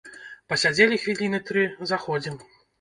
Пасядзелі хвіліны тры, заходзім.